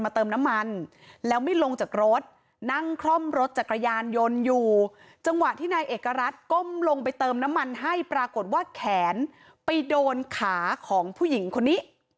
ที่นายเอกรัฐก้มลงไปเติมน้ำมันให้ปรากฏว่าแขนไปโดนขาของผู้หญิงคนนี้